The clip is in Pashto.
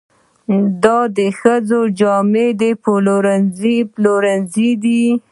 دا د ښځو جامې پلورنځی دی.